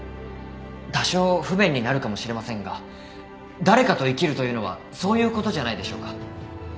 多少不便になるかもしれませんが誰かと生きるというのはそういうことじゃないでしょうか。